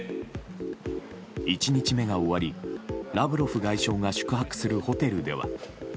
１日目が終わりラブロフ外相が宿泊するホテルでは。